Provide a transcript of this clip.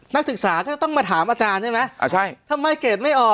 นักศึกษาจะต้องมาถามอาจารย์ใช่ไหมอ่าใช่ทำไมเกรดไม่ออก